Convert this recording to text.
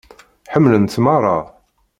Ḥemmlen-tt merra.